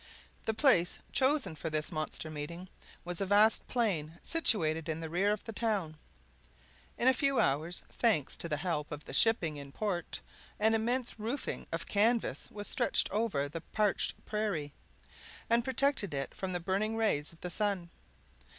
The place chosen for this monster meeting was a vast plain situated in the rear of the town. In a few hours, thanks to the help of the shipping in port, an immense roofing of canvas was stretched over the parched prairie, and protected it from the burning rays of the sun.